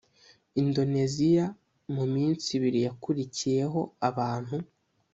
Indoneziya Mu minsi ibiri yakurikiyeho abantu